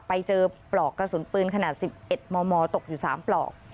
ไปเจอปลอกกระสุนปืนขนาด๑๑มมตกอยู่๓ปลอก